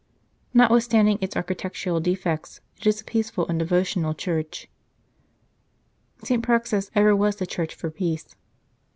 Notwithstanding its architectural defects, it is a peaceful and devotional church. " St. Praxed s ever was the church for peace."